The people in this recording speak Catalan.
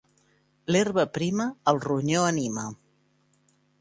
L'herba prima el ronyó anima.